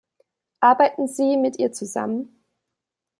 Arbeiten Sie mir ihr zusammen.